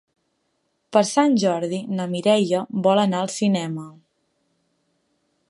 Per Sant Jordi na Mireia vol anar al cinema.